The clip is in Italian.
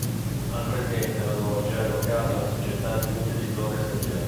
Al presente La Loggia è locata alla società Giunti Editore Spa.